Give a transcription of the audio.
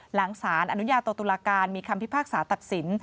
หลังสารอนุญาโตตุลาการมีคำพิพากษาตัดสิน